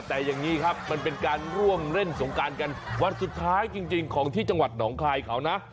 แต่อย่างนี้ครับมันเป็นการร่วมเล่นสงการกันวันสุดท้ายจริงของที่จังหวัดหนองคายเขานะ